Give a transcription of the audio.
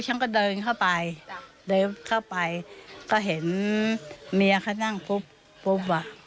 ฉันก็เดินเข้าไปเดินเข้าไปก็เห็นเมียเขานั่งปุ๊บปุ๊บอ่ะ